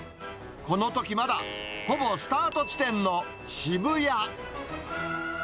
このとき、まだ、ほぼスタート地点の渋谷。